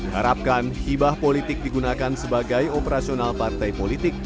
harapkan hibah politik digunakan sebagai operasional partai politik